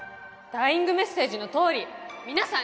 ダイイングメッセージの通り皆さん